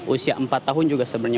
usia empat tahun juga sebenarnya